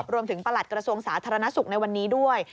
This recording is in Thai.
รวมถึงประหลัดกระทรวงศาสตร์ธรรณสุขในวันนี้ด้วย